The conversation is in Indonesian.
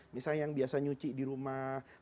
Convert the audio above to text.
misalnya yang biasa nyuci di rumah